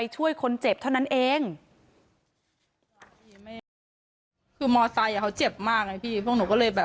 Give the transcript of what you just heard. ช่วยคนเจ็บเท่านั้นเอง